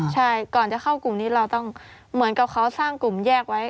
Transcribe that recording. ใช่ก่อนจะเข้ากลุ่มนี้เราต้องเหมือนกับเขาสร้างกลุ่มแยกไว้